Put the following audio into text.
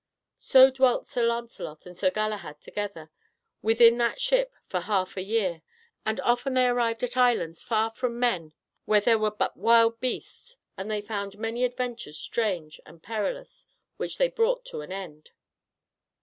So dwelt Sir Lancelot and Sir Galahad together within that ship for half a year, and often they arrived at islands far from men where there were but wild beasts, and they found many adventures strange and perilous which they brought to an end.